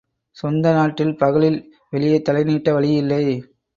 சொந்த நாட்டில் பகலில் வெளியே தலைநீட்ட வழியில்லை.